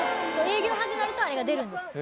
営業始まるとあれが出るんですよ。